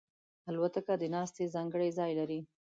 الوتکه د ناستې ځانګړی ځای لري.